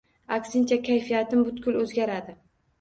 Aksincha, kayfiyatim butkul o’zgaradi.